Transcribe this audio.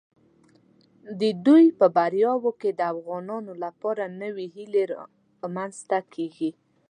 د دوی په بریاوو کې د افغانانو لپاره نوې هیله رامنځته کیږي.